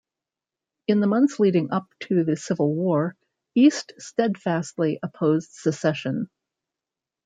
In the months leading up to the Civil War, East steadfastly opposed secession.